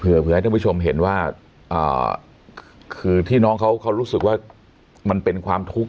เพื่อให้ท่านผู้ชมเห็นว่าคือที่น้องเขารู้สึกว่ามันเป็นความทุกข์